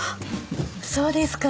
そうですか？